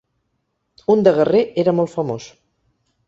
Un de guerrer era molt famós.